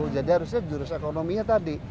jadi harusnya jurus ekonominya tadi